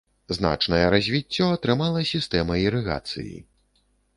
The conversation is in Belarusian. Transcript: Значнае развіццё атрымала сістэма ірыгацыі.